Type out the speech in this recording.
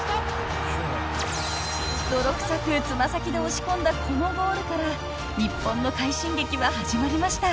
［泥くさく爪先で押し込んだこのゴールから日本の快進撃は始まりました］